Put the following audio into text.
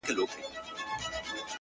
قاضي صاحبه ملامت نه یم ـ بچي وږي وه ـ